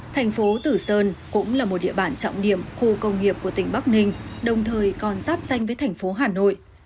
thành phố tử sơn cũng là một địa bàn trọng điểm khu công nghiệp của tỉnh bắc ninh đồng thời còn giáp danh với thành phố hà nội